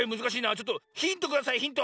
ちょっとヒントくださいヒント。